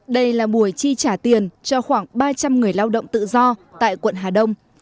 đây là buổi chi trả tiền cho khoảng ba trăm linh người lao động tự do tại quận hà đông